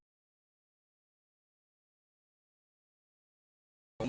pada saat ini kita sudah melakukan minum